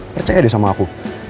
percaya deh sama aku